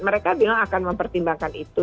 mereka bilang akan mempertimbangkan itu